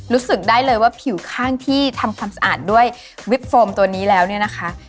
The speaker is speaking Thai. รู้สึกได้เลยว่าผิวข้างที่ทำความสะอาดด้วยวิปโฟมตัวนี้แล้วเนี่ยนะคะ